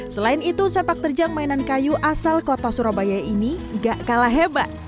selain itu sepak terjang mainan kayu asal kota surabaya ini gak kalah hebat